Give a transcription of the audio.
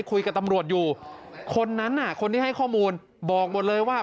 คุยกับตำรวจอยู่คนนั้นน่ะคนที่ให้ข้อมูลบอกหมดเลยว่า